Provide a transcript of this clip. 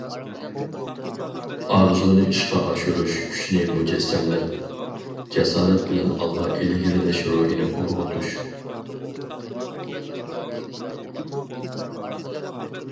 ئارزۇنى ئىشقا ئاشۇرۇش كۈچىنى مۇجەسسەملەپ، جاسارەت بىلەن ئالغا ئىلگىرىلەش روھىنى ئۇرغۇتۇش.